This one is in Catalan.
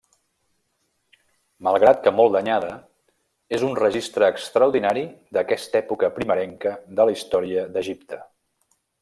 Malgrat que molt danyada, és un registre extraordinari d'aquesta època primerenca de la història d'Egipte.